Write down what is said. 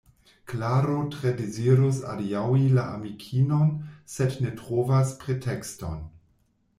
Klaro tre dezirus adiaŭi la amikinon, sed ne trovas pretekston.